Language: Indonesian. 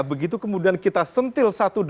begitu kemudian kita sentil satu dua